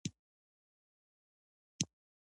د طوفان هریرود ټیم ډېر مینه وال لري.